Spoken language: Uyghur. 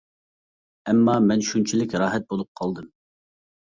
ئەمما مەن شۇنچىلىك راھەت بولۇپ قالدىم.